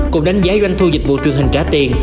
cục đánh giá doanh thu dịch vụ truyền hình trả tiền